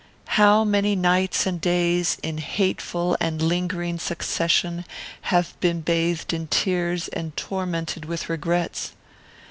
How many nights and days, in hateful and lingering succession, have been bathed in tears and tormented with regrets!